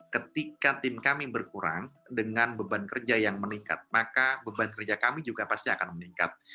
ketika tim kami berkurang dengan beban kerja yang meningkat maka beban kerja kami juga pasti akan meningkat